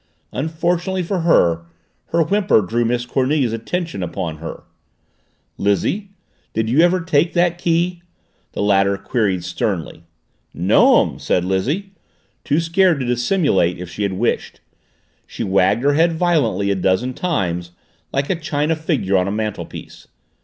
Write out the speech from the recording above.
Unfortunately for her, her whimper drew Miss Cornelia's attention upon her. "Lizzie, did you ever take that key?" the latter queried sternly. "No'm," said Lizzie, too scared to dissimulate if she had wished. She wagged her head violently a dozen times, like a china figure on a mantelpiece.